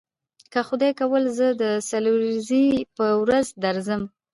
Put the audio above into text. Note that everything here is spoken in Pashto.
که خدای کول زه د څلورنیځې په ورځ درسم.